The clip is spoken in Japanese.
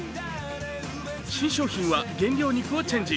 新商品は原料肉をチェンジ。